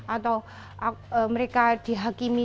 atau mereka dihakimi